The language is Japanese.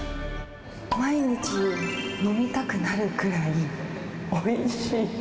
毎日飲みたくなるぐらいおいしい。